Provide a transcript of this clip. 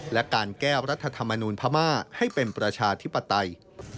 และการแก้รัฐธรรมนูลพม่าให้เป็นประชาธิปไตย